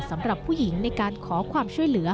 สำหรับผู้หญิงในการขอความช่วยเหลือ